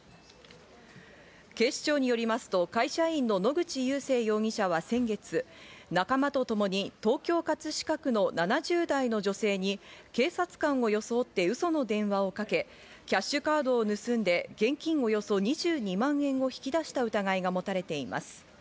警視庁によりますと、会社員の野口裕生容疑者は先月、仲間とともに東京・葛飾区の７０代の女性に警察官を装ってウソの電話をかけ、キャッシュカードを盗んで現金およそ２２万円を引き出した疑いが持たれています。